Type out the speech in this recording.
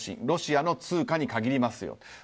ロシアの通貨に限りますよと。